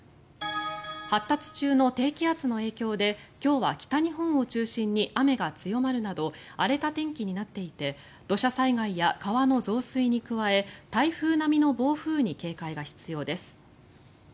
発達中の低気圧の影響で今日は北日本を中心に雨が強まるなど荒れた天気になっていて土砂災害や川の増水に加え台風並みの暴風に警戒が必要です。